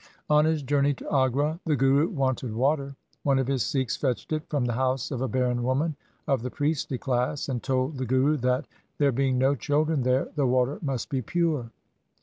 On his journey to Agra the Guru wanted water. One of his Sikhs fetched it from the house of a barren woman of the priestly class, and told the Guru that, there being no children there, the water must be pure.